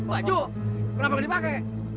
baju kenapa gak dipake